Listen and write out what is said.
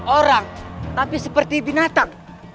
orang tapi seperti binatang